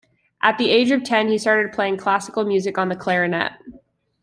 At the age of ten he started playing classical music on the clarinet.